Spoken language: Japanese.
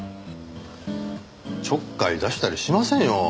ちょっかい出したりしませんよ。